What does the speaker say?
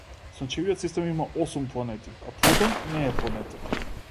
Сончевиот систем има осум планети, а Плутон не е планета.